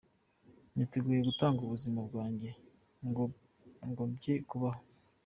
Niteguye gutanga ubuzima bwanjye ngo bye kubaho.